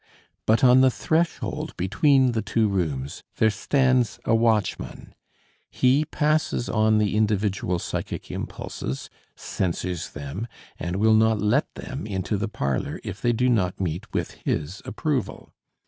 But on the threshold between the two rooms there stands a watchman; he passes on the individual psychic impulses, censors them, and will not let them into the parlor if they do not meet with his approval.